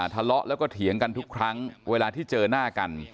ทะเลาะแล้วก็เถียงกันทุกครั้งเวลาที่เจอหน้ากัน